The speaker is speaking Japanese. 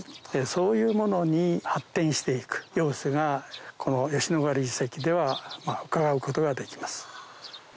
そういうものに発展して行く様子がこの吉野ヶ里遺跡ではうかがうことができます。